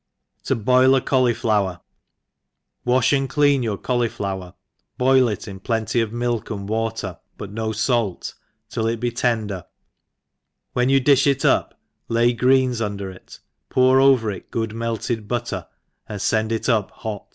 To boil a COLLYFLOWER. WASH and clean your collyflower, boil it in plenty of milk and water (but no fait) till it be tender ; when you difli it up, lay greens tinder it; pour over it good melted butter, and fend it up hot.